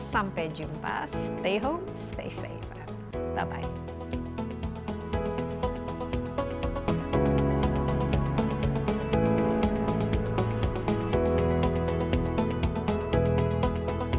sampai jumpa stay home